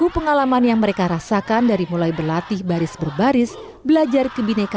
ikhlas merasakan lobo lian